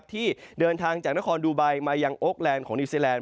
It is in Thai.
ที่เดินทางจากนครดูไบมายังโอ๊คแลนด์ของนิวซีแลนด